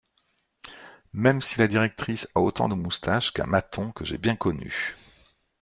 même si la directrice a autant de moustache qu’un maton que j’ai bien connu.